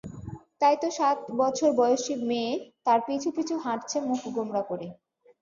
তাইতো সাত বছর বয়সী মেয়ে তার পিছু পিছু হাঁটছে মুখ গোমড়া করে।